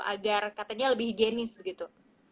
agar katanya lebih higienis begitu